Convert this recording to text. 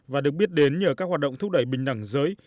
và được biết đến nhờ các hoạt động thúc đẩy bình đẳng giới